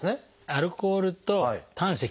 「アルコール」と「胆石」